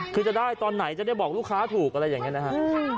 คือจะได้ตอนไหนจะได้บอกลูกค้าถูกอะไรอย่างนี้นะครับ